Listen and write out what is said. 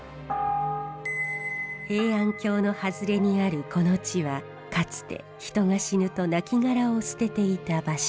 平安京の外れにあるこの地はかつて人が死ぬと亡骸を捨てていた場所。